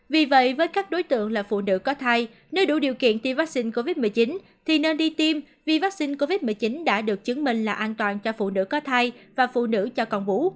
vì vậy với các đối tượng là phụ nữ có thai nếu đủ điều kiện tiêm vaccine covid một mươi chín thì nên đi tiêm vì vaccine covid một mươi chín đã được chứng minh là an toàn cho phụ nữ có thai và phụ nữ cho con bú